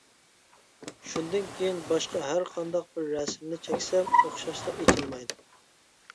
شۇندىن كېيىن باشقا ھەرقانداق بىر رەسىمنى چەكسەم ئوخشاشلا ئېچىلمايدۇ.